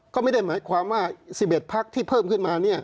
ก็ไม่ได้หมายความว่า๑๑พักที่เพิ่มขึ้นมา